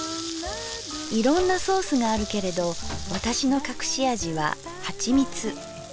いろんなソースがあるけれど私の隠し味ははちみつ。